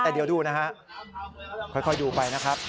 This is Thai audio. แต่เดี๋ยวดูนะฮะค่อยดูไปนะครับ